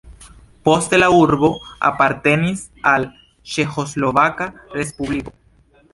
Poste la urbo apartenis al Ĉeĥoslovaka respubliko.